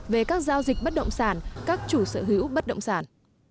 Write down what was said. về các giao dịch bất động sản các chủ sở hữu bất động sản